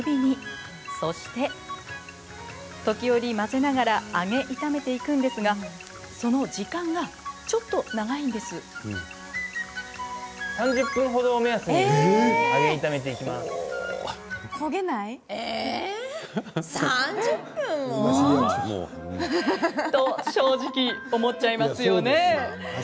そして時折混ぜながら揚げ炒めていくんですがその時間がちょっと長いんです。と正直思っちゃいますよね。